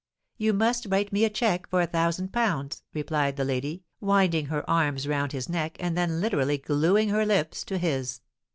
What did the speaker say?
"You must write me a check for a thousand pounds," replied the lady, winding her arms round his neck, and then literally glueing her lips to his.